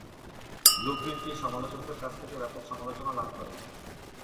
ব্লুপ্রিন্টটি সমালোচকদের কাছ থেকে ব্যাপক সমালোচনা লাভ করে।